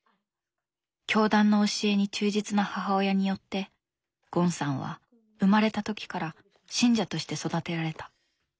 教団の教えに忠実な母親によってゴンさんは生まれた時から信者として育てられた。